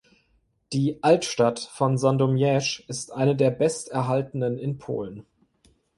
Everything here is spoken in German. Die "Altstadt" von Sandomierz ist eine der besterhaltenen in Polen.